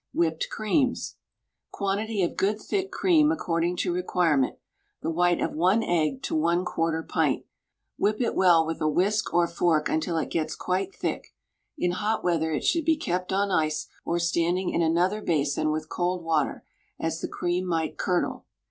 WHIPPED CREAMS. Quantity of good thick cream according to requirement. The white of 1 egg to 1/4 pint. Whip it well with a whisk or fork until it gets quite thick; in hot weather it should be kept on ice or standing in another basin with cold water, as the cream might curdle.